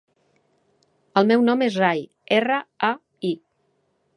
El meu nom és Rai: erra, a, i.